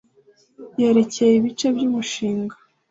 yerekeye ibice by umushinga